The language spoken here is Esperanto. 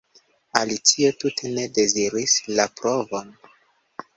Alicio tute ne deziris la provon.